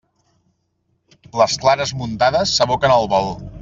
Les clares muntades s'aboquen al bol.